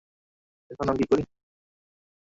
এখন আমি কী করি?